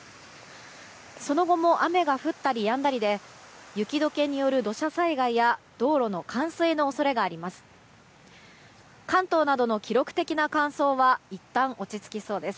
その後も雨が降ったりやんだりで雪解けによる土砂災害や道路の冠水の恐れがあります。